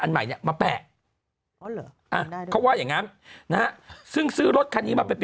ใหม่เนี่ยมาแปะเขาว่าอย่างงั้นนะฮะซึ่งซื้อรถคันนี้มาเป็น